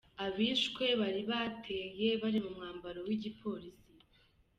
Abishwe bari bateye bari mu mwambaro w'igipolisi.